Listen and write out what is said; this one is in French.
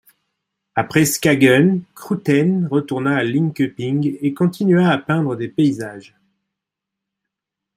Après Skagen, Krouthén retourna à Linköping et continua à peindre des paysages.